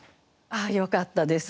ああよかったです。